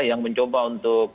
yang mencoba untuk